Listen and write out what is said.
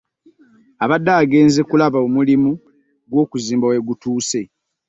Abadde agenze kulaba omulimu gw'okuzimba wegutuuse